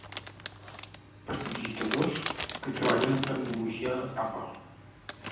Prestidigitadors que treballen amb tecnologia Apple.